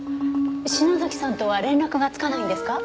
篠崎さんとは連絡がつかないんですか？